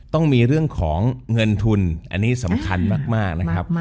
ต้องมีเรื่องของเงินทุนอันนี้สำคัญมากนะครับ